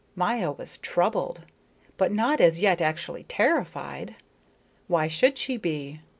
Maya was troubled, but not as yet actually terrified. Why should she be?